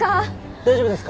大丈夫ですか？